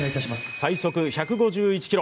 最速１５１キロ